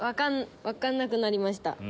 分かんなくなりました。